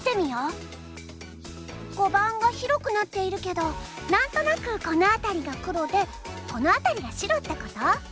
碁盤が広くなっているけど何となくこの辺りが黒でこの辺りが白ってこと？